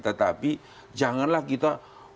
tetapi janganlah kita